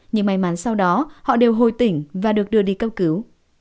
nhưng may mắn sau đó họ đều hồi tỉnh và được đưa đi cấp cứu